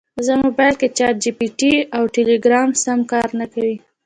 زما مبایل کې چټ جي پي ټي او ټیلیګرام سم کار نکوي